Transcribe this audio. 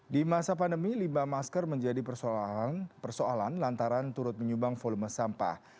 di masa pandemi limbah masker menjadi persoalan lantaran turut menyumbang volume sampah